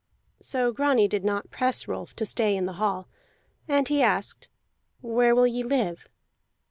So Grani did not press Rolf to stay in the hall, and he asked: "Where will ye live?"